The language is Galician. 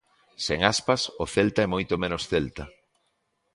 Sen Aspas o Celta é moito menos Celta.